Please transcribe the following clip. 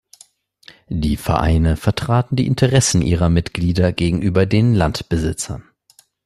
Die Vereine vertraten die Interessen ihrer Mitglieder gegenüber den Landbesitzern.